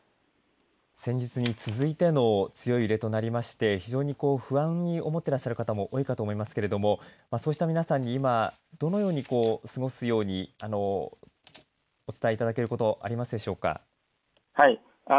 先日に続いての強い揺れとなりまして非常に不安に思っていらっしゃる方も多いと思いますがそうした皆さんに今どのように過ごすようにお伝えいただけることありますでしょうか。